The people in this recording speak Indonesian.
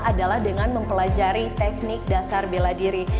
adalah dengan mempelajari teknik dasar bela diri